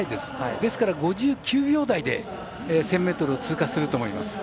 ですから５９秒台で１０００ｍを通過すると思います。